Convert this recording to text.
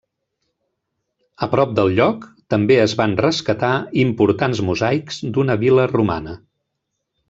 A prop del lloc, també es van rescatar importants mosaics d'una vil·la romana.